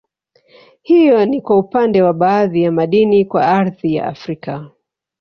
Hiyo ni kwa upande wa baadhi ya madini kwa ardhi ya Afrika